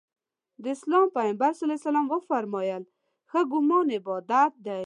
د اسلام پیغمبر ص وفرمایل ښه ګمان عبادت دی.